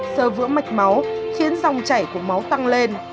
sơ vỡ mạch máu khiến dòng chảy của máu tăng lên